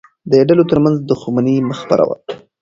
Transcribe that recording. د ډلو ترمنځ دښمني مه خپروه.